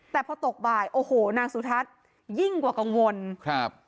แต่พอตกบ่ายโอ้โหนางสุทัศน์ยิ่งกว่ากังวลครับ